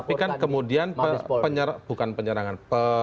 tapi kan kemudian bukan penyerangan